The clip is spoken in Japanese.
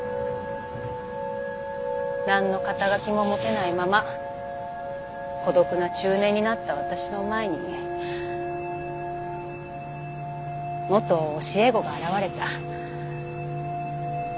何の肩書も持てないまま孤独な中年になった私の前に元教え子が現れた。